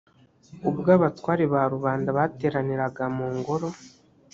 ubwo abatware ba rubanda bateraniga mu ngoro.